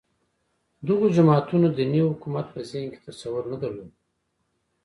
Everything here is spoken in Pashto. دغو جماعتونو دیني حکومت په ذهن کې تصور نه درلود